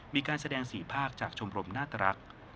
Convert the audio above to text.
มีการแสดงสี่ภาคจากชมรมนาฬรักษ์